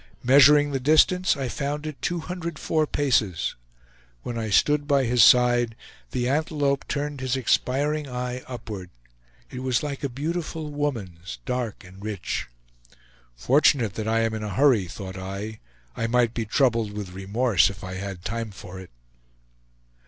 Measuring the distance, I found it 204 paces. When I stood by his side, the antelope turned his expiring eye upward. It was like a beautiful woman's, dark and rich. "Fortunate that I am in a hurry," thought I; "I might be troubled with remorse, if I had time for it."